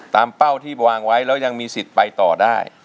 เป้าที่วางไว้แล้วยังมีสิทธิ์ไปต่อได้